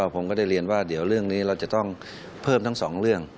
ผมก็ได้เรียนว่าเดี๋ยวเรื่องนี้เราจะต้องเพิ่มทั้งสองเรื่อง